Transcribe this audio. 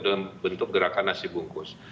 dan bentuk gerakan nasi bungkus